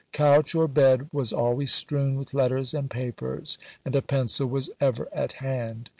Couch or bed was always strewn with letters and papers, and a pencil was ever at hand.